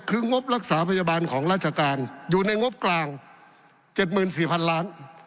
คืองบรักษาพยาบาลของราชการอยู่ในงบกลางเจ็ดหมื่นสี่พันล้าน